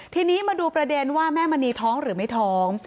ทีนี้มาดูประเด็นว่าแม่มณีท้องหรือไม่ท้อง